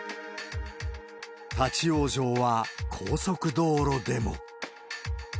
立往生は高速道路でも。